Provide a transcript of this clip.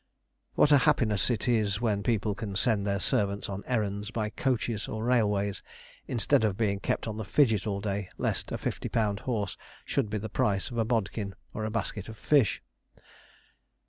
What a happiness it is when people can send their servants on errands by coaches or railways, instead of being kept on the fidget all day, lest a fifty pound horse should be the price of a bodkin or a basket of fish!